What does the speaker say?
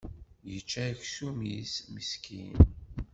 Yečča aksum-is meskin.